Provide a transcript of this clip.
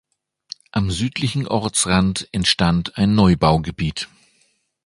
Am südlichen Ortsrand entstand ein Neubaugebiet.